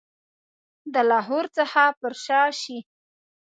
د لاهور څخه پر شا شي.